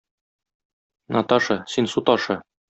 Наташа, син су ташы.